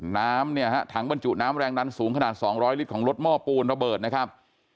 น้ำเนี่ยฮะถังบรรจุน้ำแรงดันสูงขนาด๒๐๐ลิตรของรถหม้อปูนระเบิดนะครับ